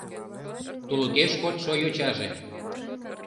Тулыкеш кодшо йочаже